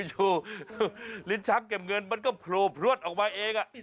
โอ้โหอยู่ลิ้นชาเก็บเงินมันก็โพลวดออกมาเอง